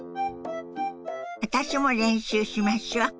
私も練習しましょ。